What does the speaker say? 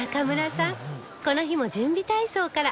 この日も準備体操から